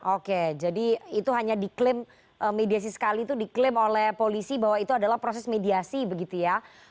oke jadi itu hanya diklaim mediasi sekali itu diklaim oleh polisi bahwa itu adalah proses mediasi begitu ya